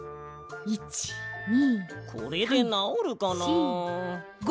これでなおるかな？